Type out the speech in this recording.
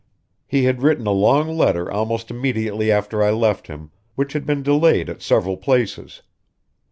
"He had written a long letter almost immediately after I left him, which had been delayed at several places.